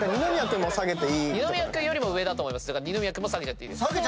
二宮君よりも上だと思う二宮君も下げちゃっていいです。